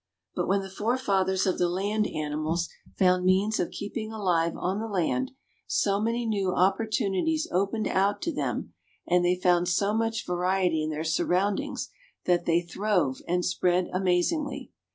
But when the forefathers of the land animals found means of keeping alive on the land, so many new opportunities opened out to them and they found so much variety in their surroundings, that they throve and spread amazingly.